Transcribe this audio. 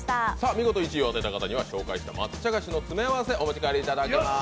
見事１位を当てた方には紹介した抹茶菓子お持ち帰りいただけます。